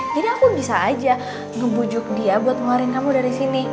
jadi aku bisa aja ngebujuk dia buat ngeluarin kamu dari sini